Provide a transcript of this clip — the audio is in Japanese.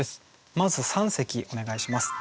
まず三席お願いします。